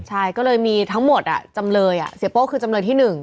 ใช่ก็เลยมีทั้งหมดจำเลยเสียโป้คือจำเลยที่๑